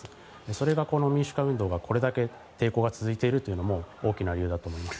それが、この民主化運動がこれだけ抵抗が続いているという大きな理由だと思います。